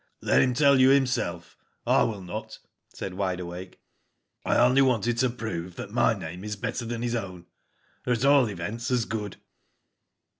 "Let him tell you himself, I will not," said Wide Awake. "I only wanted to prove that my name is better than his own, or at all events as good."